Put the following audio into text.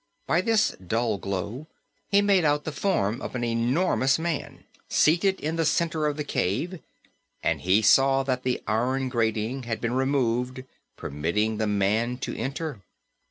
By this dull glow he made out the form of an enormous man, seated in the center of the cave, and he saw that the iron grating had been removed, permitting the man to enter.